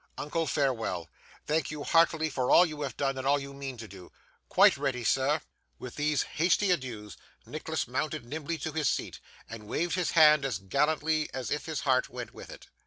Uncle, farewell! Thank you heartily for all you have done and all you mean to do. Quite ready, sir!' With these hasty adieux, Nicholas mounted nimbly to his seat, and waved his hand as gallantly as if his heart went with it.